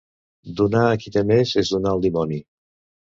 Donar a qui té més és donar al dimoni.